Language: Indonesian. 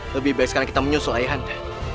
lebih baik karena kita menyusul ayah anda